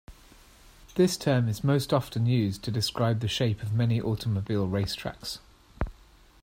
This term is most often used to describe the shape of many automobile racetracks.